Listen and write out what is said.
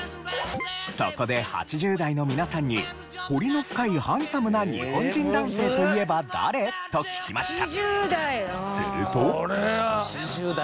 そこで８０代の皆さんに彫りの深いハンサムな日本人男性といえば誰？と聞きました。